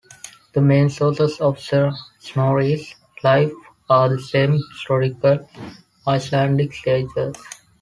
The main sources of Snorri's life are the semi-historical Icelandic sagas.